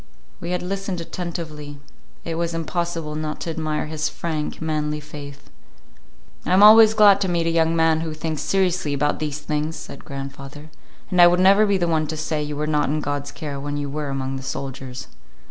We had listened attentively. It was impossible not to admire his frank, manly faith. "I am always glad to meet a young man who thinks seriously about these things," said grandfather, "and I would never be the one to say you were not in God's care when you were among the soldiers."